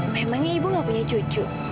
memang ibu gak punya cucu